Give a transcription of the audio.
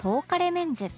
メンズ